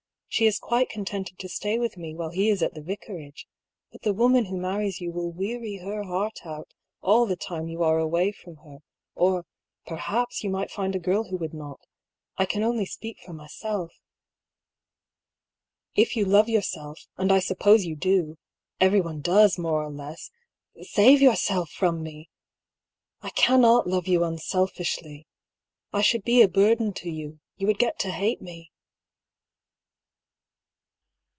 She is quite contented to stay with me while he is at the Vicarage. But the woman who marries you will weary her heart out all the time you are away from her ; or, perhaps, you might find a girl who would not. I can only speak for myself. If you love yourself, and I suppose you do — everyone does, more or less — save yourself from me ! I cannot love you unselfishly. I should be a burden to you ; you would get to hate me."